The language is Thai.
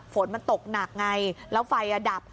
ฝนมันตกหนักไงแล้วไฟดับ